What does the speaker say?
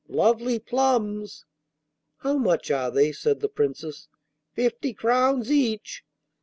lovely plums!' 'How much are they?' said the Princess. 'Fifty crowns each.